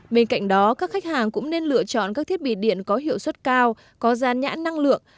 bên cạnh đó các khách hàng cũng nên lựa chọn các thiết bị điện có hiệu suất cao có gian nhãn năng lượng